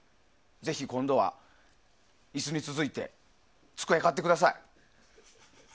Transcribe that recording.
ぜひ、今度は椅子に続いて机を買ってください。